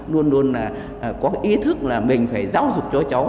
luôn luôn là có ý thức là mình phải giáo dục cho cháu